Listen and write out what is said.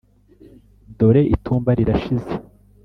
Dore itumba rirashize,